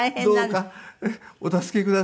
どうかお助けください。